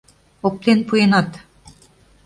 — Оптен пуэнат...